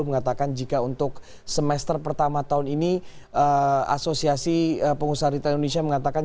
mengatakan jika untuk semester pertama tahun ini asosiasi pengusaha retail indonesia mengatakan